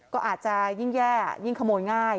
ก็อาจจะยิ่งแย่ยิ่งขโมยง่าย